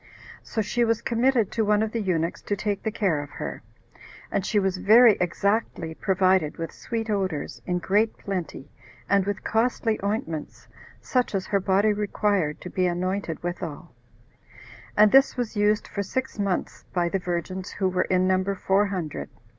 So she was committed to one of the eunuchs to take the care of her; and she was very exactly provided with sweet odors, in great plenty, and with costly ointments, such as her body required to be anointed withal; and this was used for six months by the virgins, who were in number four hundred.